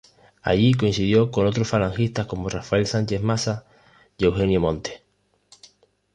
Allí coincidió con otros falangistas como Rafael Sánchez Mazas y Eugenio Montes.